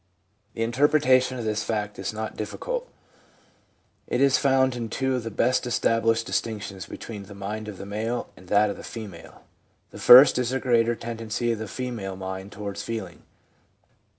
* The interpretation of this fact is not difficult ; it is found in two of the best established distinctions between the mind of the male and that of the female. The first is the greater tendency of the female mind towards feeling.